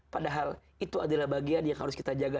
padahal itu adalah bagian yang harus kita jaga